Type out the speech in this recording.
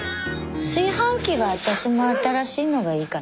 炊飯器は私も新しいのがいいかな。